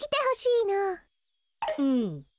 うん。